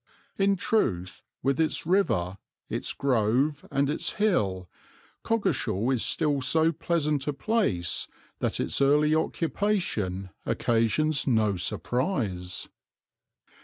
In truth, with its river, its grove and its hill, Coggeshall is still so pleasant a place that its early occupation occasions no surprise.